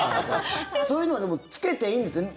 そういうのはでも、着けていいんですね。